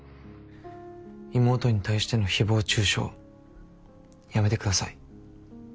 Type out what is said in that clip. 妹に対しての誹謗中傷やめてください。